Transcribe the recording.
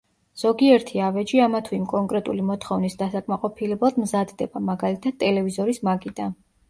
ზოგიერთი ავეჯი ამა თუ იმ კონკრეტული მოთხოვნის დასაკმაყოფილებლად მზადდება, მაგალითად, ტელევიზორის მაგიდა.